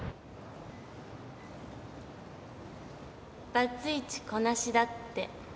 ⁉バツイチ子なしだって。